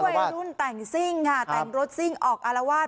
แก๊งไหว้รุ่นแต่งซิ่งฮะแต่งรถซิ่งออกอลวาท